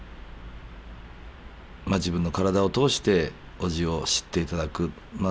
あ自分の体を通して叔父を知っていただくまあ